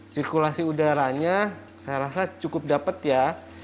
sirkulasi udaranya saya rasa cukup dapat ya